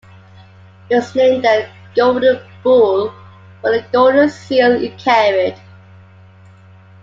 It was named the "Golden Bull" for the golden seal it carried.